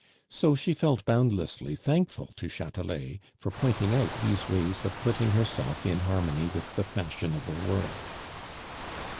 So she felt boundlessly thankful to Chatelet for pointing out these ways of putting herself in harmony with the fashionable world.